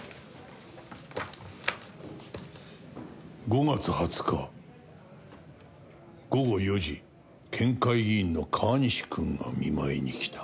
「５月２０日午後４時県会議員の川西君が見舞いに来た」